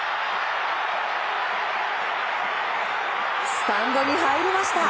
スタンドに入りました！